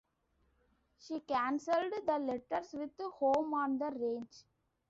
She canceled the letters with "Home on the Range".